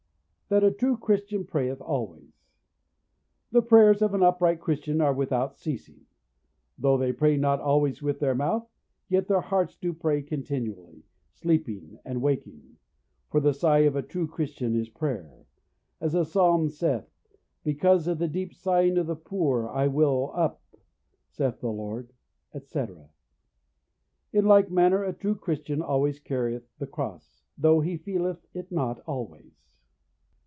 That a True Christian Prayeth Always. The prayers of upright Christians are without ceasing; though they pray not always with their mouth, yet their hearts do pray continually, sleeping and waking; for the sigh of a true Christian is a prayer. As the Psalm saith, "Because of the deep sighing of the poor, I will up, saith the Lord," etc. In like manner a true Christian always carrieth the cross, though he feeleth it not always.